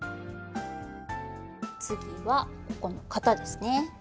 次はここの肩ですね。